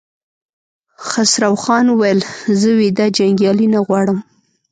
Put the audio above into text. خسروخان وويل: زه ويده جنګيالي نه غواړم!